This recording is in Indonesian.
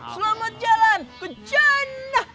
selamat jalan ke jannah